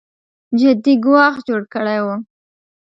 جدي ګواښ جوړ کړی و